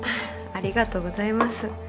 ありがとうございます。